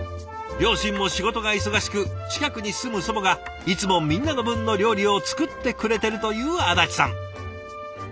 両親も仕事が忙しく近くに住む祖母がいつもみんなの分の料理を作ってくれてるという安達さん。